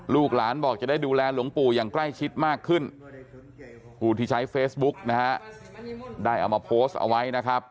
ลูกหลานบอกจะได้ดูแลหลวงปู่อย่างใกล้ชิดมากขึ้นผู้ที่ใช้เฟซบุ๊กนะฮะได้เอามาโพสต์เอาไว้นะครับ